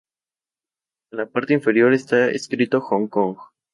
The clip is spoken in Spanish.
En la parte inferior está escrito Hong Kong.